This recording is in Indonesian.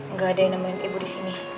nggak ada yang nemenin ibu disini